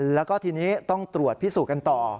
แล้วก็ทีนี้ต้องตรวจพิสูจน์กันต่อ